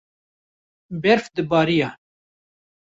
berf dibarîya